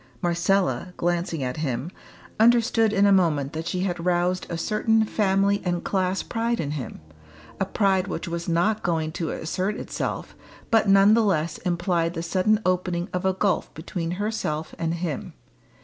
Marcella, glancing at him, understood in a moment that she had roused a certain family and class pride in him a pride which was not going to assert itself, but none the less implied the sudden opening of a gulf between herself and him.